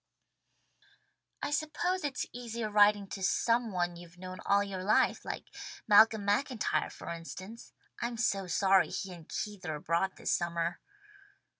"I suppose it's easier writing to some one you've known all your life, like Malcolm MacIntyre for instance. I'm so sorry he and Keith are abroad this summer."